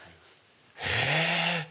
へぇ！